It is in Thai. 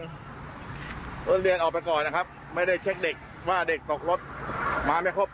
เรียนออกไปก่อนนะครับไม่ได้เช็คเด็กว่าเด็กตกรถมาไม่ครบ